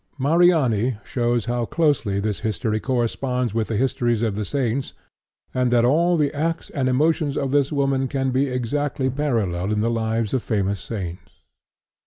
Mariani shows how closely this history corresponds with the histories of the saints, and that all the acts and emotions of this woman can be exactly paralleled in the lives of famous saints.